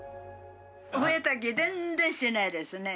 増えた気全然しないですね。